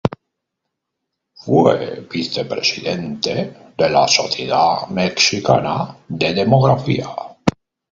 Fue vicepresidente de la Sociedad Mexicana de Demografía.